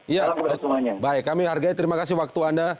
ya baik kami hargai terima kasih waktu anda